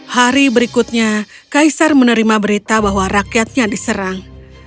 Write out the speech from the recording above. hari berikutnya kaisar menerima berita bahwa rakyatnya diserang